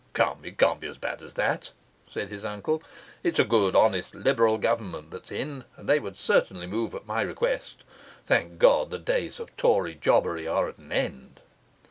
Come, it can't be as bad as that,' said his uncle. 'It's a good, honest, Liberal Government that's in, and they would certainly move at my request. Thank God, the days of Tory jobbery are at an end.